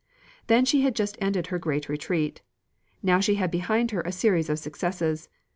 Then she had just ended her great retreat. Now she had behind her a series of successes.